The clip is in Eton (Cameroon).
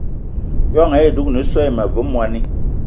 Ijon ayì dúgne so àyi ma ve mwani